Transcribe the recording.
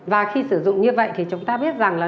và khi sử dụng như vậy thì chúng ta biết rằng là